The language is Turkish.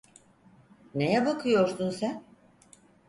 Neye bakıyorsun sen?